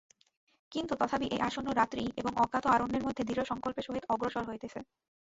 কিন্তু তথাপি এই আসন্ন রাত্রি এবং অজ্ঞাত অরণ্যের মধ্যে দৃঢ় সংকল্পের সহিত অগ্রসর হইতেছে।